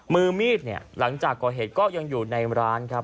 มือมีดเนี่ยหลังจากก่อเหตุก็ยังอยู่ในร้านครับ